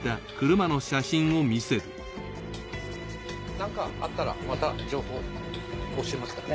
なんかあったらまた情報教えますからね。